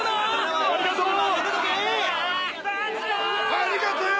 ありがとう！